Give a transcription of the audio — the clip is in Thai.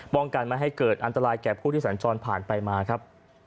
ป้องกันไม่ให้เกิดอันตรายแก่ผู้ที่สัญจรผ่านไปมาครับ